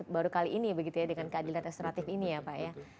baru kali ini begitu ya dengan keadilan restoratif ini ya pak ya